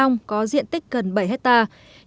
ông có diện tích gần bảy hectare